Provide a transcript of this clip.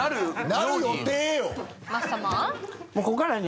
なる予定よ。